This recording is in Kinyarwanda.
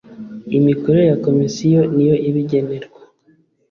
Imikorere ya Komisiyo niyo ibigenerwa.